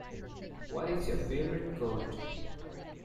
What is your favorite quote?